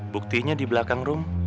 buktinya di belakang rum